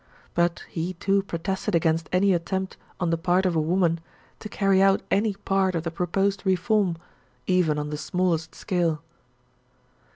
But he, too, protested against any attempt on the part of a woman to carry out any part of the proposed reform, even on the smallest scale.